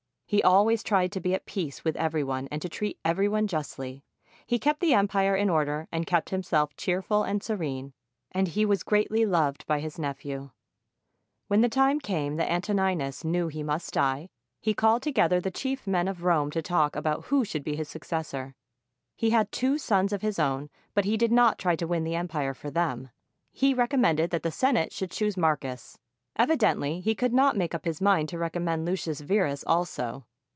He always tried to be at peace with every one and to treat every one justly. He kept the empire in order and kept himself cheerful and serene, and he was greatly loved by his nephew. 512 I MARCUS AURELIUS When the time came that Antoninus knew he must die, he called together the chief men of Rome to talk about who should be his successor. He had two sons of his own, but he did not try to win the empire for them. He recommended that the Senate should choose Marcus. Evidently he could not make up his mind to recommend Lucius Verus also.